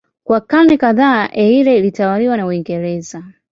Kwa karne kadhaa Eire ilitawaliwa na Uingereza.